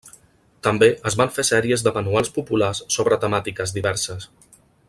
També es van fer sèries de manuals populars sobre temàtiques diverses.